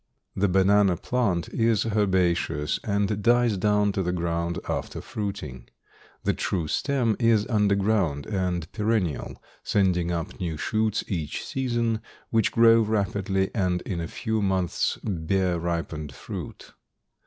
The banana plant is herbaceous and dies down to the ground after fruiting. The true stem is underground and perennial, sending up new shoots each season, which grow rapidly and in a few months bear ripened fruit.